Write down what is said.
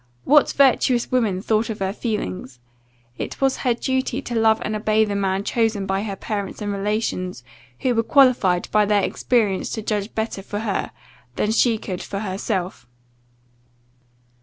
What virtuous woman thought of her feelings? It was her duty to love and obey the man chosen by her parents and relations, who were qualified by their experience to judge better for her, than she could for herself.